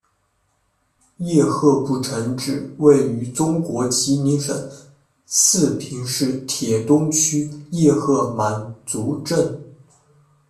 叶赫部城址位于中国吉林省四平市铁东区叶赫满族镇。